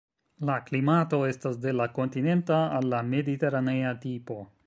La klimato estas de la kontinenta al la mediteranea tipo.